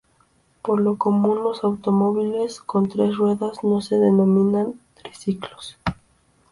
Por lo común los automóviles con tres ruedas no se denominan triciclos.